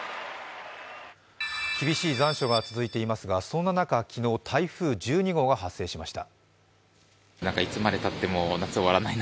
厳しい残暑が続いていますが、そんな中、昨日、台風１２号が発生しました。